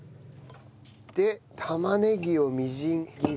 で玉ねぎをみじん切り。